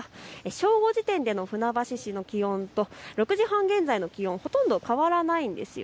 正午時点での船橋市の気温と６時半現在の気温、ほとんど変わらないんです。